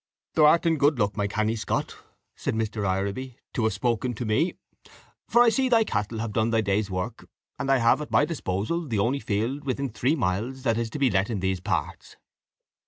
"Thou art in good luck, my canny Scot," said Mr. Ireby, "to have spoken to me, for I see thy cattle have done their day's work, and I have at my disposal the only field within three miles that is to be let in these parts."